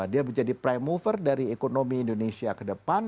dia menjadi prime mover dari ekonomi indonesia kedepan